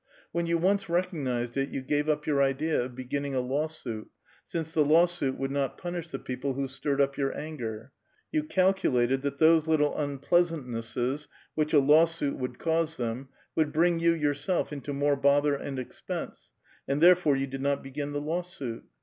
When'' ^^ou once recognized it you gave up your idea of beginning a Xsiwsuit, since the lawsuit would not punish the people who a^tirred up your anger; you calculated that those little un X^leasantnesses, which a lawsuit would cause them, would X:>ring 3'ou yourself into more bother and expense, and there fore you did not begin the lawsuit.